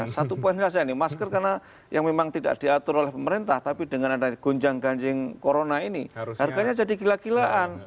satu poin yang saya ingin masker karena yang memang tidak diatur oleh pemerintah tapi dengan ada gonjang ganjing corona ini harganya jadi kila kilaan